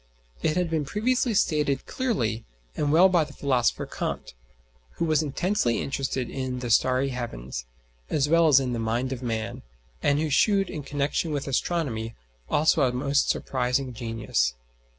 It had been previously stated clearly and well by the philosopher Kant, who was intensely interested in "the starry heavens" as well as in the "mind of man," and who shewed in connexion with astronomy also a most surprising genius.